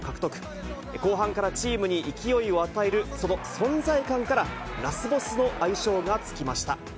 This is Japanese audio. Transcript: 後半からチームに勢いを与える、その存在感から、ラスボスの愛称が付きました。